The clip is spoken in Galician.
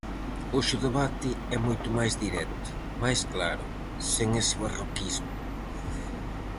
Hoxe o debate é moito máis directo, máis claro, sen ese barroquismo.